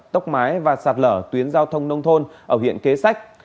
tốc mái và sạt lở tuyến giao thông nông thôn ở huyện kế sách